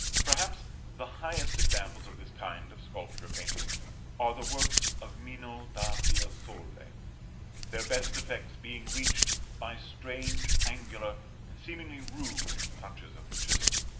Perhaps the highest examples of this kind of sculpture painting are the works of Mino da Fiesole; their best effects being reached by strange angular, and seemingly rude, touches of the chisel.